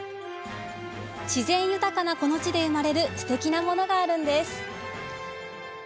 自然豊かなこの地で生まれるすてきなものがあるんです。